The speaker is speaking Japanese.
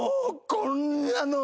こんなの！